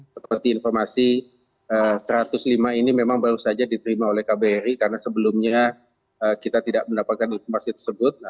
seperti informasi satu ratus lima ini memang baru saja diterima oleh kbri karena sebelumnya kita tidak mendapatkan informasi tersebut